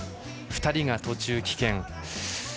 ２人が途中棄権。